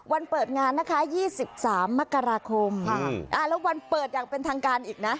เปิดงานนะคะ๒๓มกราคมแล้ววันเปิดอย่างเป็นทางการอีกนะ